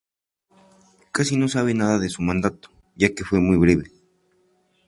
Casi no se sabe nada de su mandato, ya que fue muy breve.